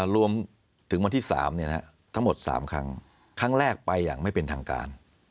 รวมถึงวันที่๓ทั้งหมด๓ครั้งครั้งแรกไปอย่างไม่เป็นทางการ